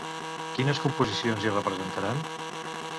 Quines composicions hi representaran?